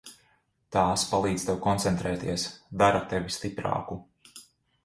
Tās palīdz tev koncentrēties, dara tevi stiprāku.